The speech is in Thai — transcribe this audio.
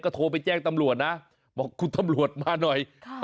โทรไปแจ้งตำรวจนะบอกคุณตำรวจมาหน่อย